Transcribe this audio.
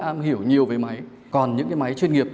am hiểu nhiều về máy còn những cái máy chuyên nghiệp